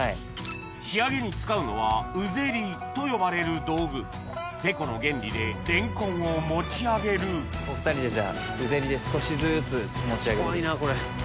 仕上げに使うのは「うぜり」と呼ばれる道具てこの原理でレンコンを持ち上げるお２人でじゃあうぜりで少しずつ持ち上げて。